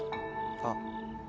あっ。